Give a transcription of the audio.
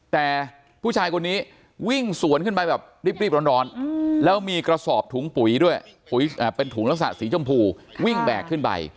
แต่ผู้ชายคนนี้วิ่งสวนขึ้นไปแบบรีบร้อนแล้วมีกระสอบถุงปุ๋ยด้วยปุ๋ยเป็นถุงลักษณะสีชมพูวิ่งแบกขึ้นไป